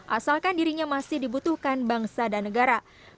asalkan dirinya masih dibutuhkan bangsa dan negara